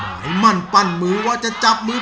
ให้มั่นปั้นมือว่าจะจับมือ